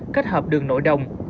kết hợp đường nội đồng